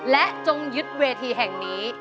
และจงยึดเวทีแห่งนี้